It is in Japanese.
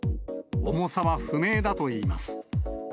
重さは不明だといいます。